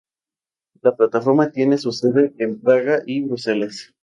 La plataforma tiene su sede en Praga y Bruselas